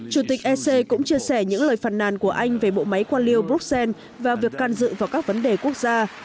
chủ tịch ec cũng chia sẻ những lời phản nàn của anh về bộ máy quan liêu bruxelles và việc can dự vào các vấn đề quốc gia